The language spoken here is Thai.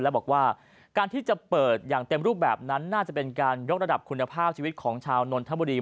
และบอกว่าการที่จะเปิดอย่างเต็มรูปแบบนั้นน่าจะเป็นการยกระดับคุณภาพชีวิตของชาวนนทบุรี